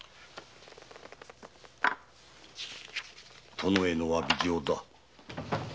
殿への「詫び状」だ。